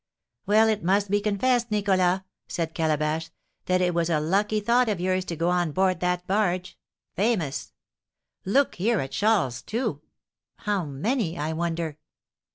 "Well, it must be confessed, Nicholas," said Calabash, "that it was a lucky thought of yours to go on board that barge, famous! Look, here are shawls, too! How many, I wonder?